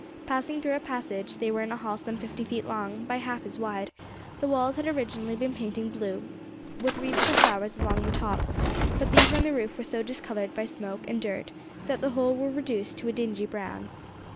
Passing through a passage, they were in a hall some fifty feet long by half as wide; the walls had originally been painted blue, with wreaths of flowers along the top, but these and the roof were so discoloured by smoke and dirt, that the whole were reduced to a dingy brown.